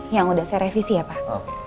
yang udah saya revisi ya pak